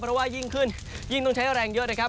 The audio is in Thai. เพราะว่ายิ่งขึ้นยิ่งต้องใช้แรงเยอะนะครับ